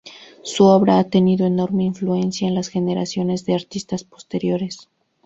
Su obra ha tenido enorme influencia en las generaciones de artistas posteriores.